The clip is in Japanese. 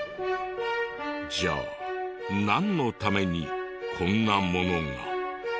じゃあなんのためにこんなものが？